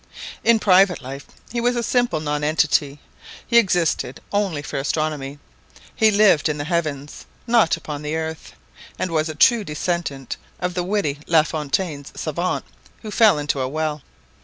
In private life he was a simple nonentity; he existed only for astronomy; he lived in the heavens, not upon the earth; and was a true descendant of the witty La Fontaine's savant who fell into a well.